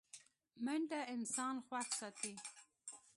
منډه انسان خوښ ساتي